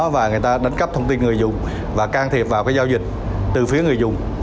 và người ta đánh cắp thông tin người dùng và can thiệp vào giao dịch từ phía người dùng